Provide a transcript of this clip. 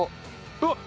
あっ！